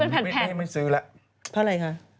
เพราะอะไรคะ